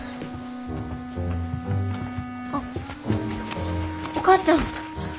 あっお母ちゃん。